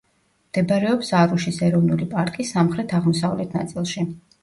მდებარეობს არუშის ეროვნული პარკის სამხრეთ-აღმოსავლეთ ნაწილში.